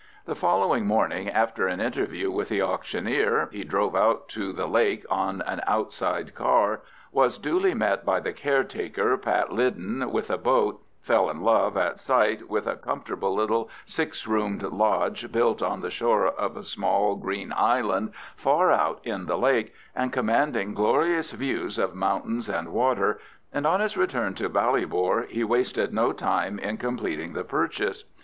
The following morning, after an interview with the auctioneer, he drove out to the lake on an outside car, was duly met by the caretaker, Pat Lyden, with a boat, fell in love at sight with a comfortable little six roomed lodge built on the shore of a small green island far out in the lake and commanding glorious views of mountains and water, and on his return to Ballybor he wasted no time in completing the purchase.